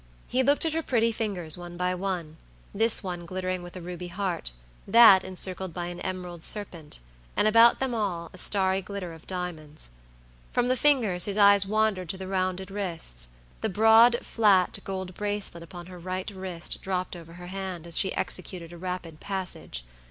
He looked at her pretty fingers one by one; this one glittering with a ruby heart; that encircled by an emerald serpent; and about them all a starry glitter of diamonds. From the fingers his eyes wandered to the rounded wrists: the broad, flat, gold bracelet upon her right wrist dropped over her hand, as she executed a rapid passage.